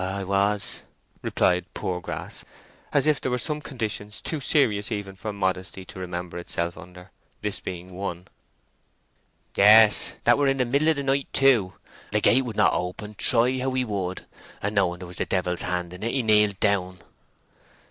"I was," replied Poorgrass, as if there were some conditions too serious even for modesty to remember itself under, this being one. "Yes; that were the middle of the night, too. The gate would not open, try how he would, and knowing there was the Devil's hand in it, he kneeled down."